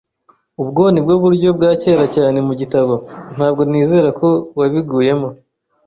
Ubwo ni bwo buryo bwa kera cyane mu gitabo. Ntabwo nizera ko wabiguyemo.